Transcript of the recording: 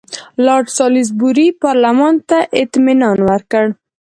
لارډ سالیزبوري پارلمان ته اطمینان ورکړ.